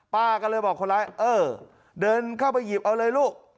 ป้าก็เลยบอกคนร้ายเออเดินเข้าไปหยิบเอาเลยลูก